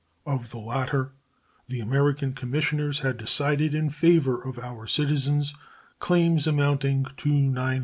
Of the latter the American commissioners had decided in favor of our citizens claims amounting to $928,627.